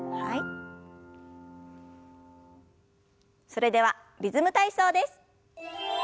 それでは「リズム体操」です。